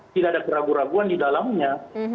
tidak ada keraguan keraguan di dalamnya